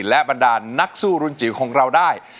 และบรรดานนักสู้รุนจิ๋วของเราได้